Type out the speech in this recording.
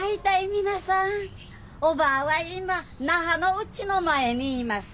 皆さんおばぁはいま那覇のうちの前にいます。